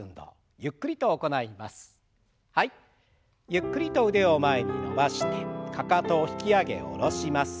ゆっくりと腕を前に伸ばしてかかとを引き上げ下ろします。